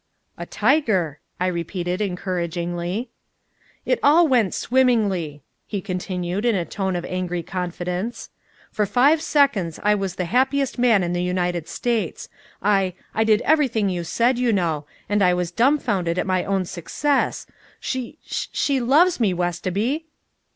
"A tiger," I repeated encouragingly. "It all went swimmingly," he continued in a tone of angry confidence. "For five seconds I was the happiest man in the United States. I I did everything you said, you know, and I was dumfounded at my own success. S s she loves me, Westoby."